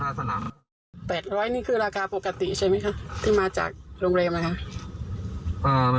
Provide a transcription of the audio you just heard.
๘๐๐กนี่คือราคาปกติใช่มั้ยคะี่มาจากโรงเรียนไหมคะ